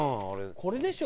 これでしょ。